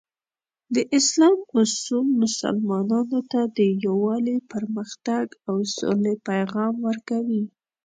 د اسلام اصول مسلمانانو ته د یووالي، پرمختګ، او سولې پیغام ورکوي.